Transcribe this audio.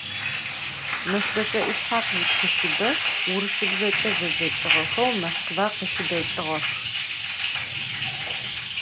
Meşbeş'e Yishakh yitxılhıbe vurısıbzeç'e zedzeç'ığexeu Moskva khaşıdeç'ığex.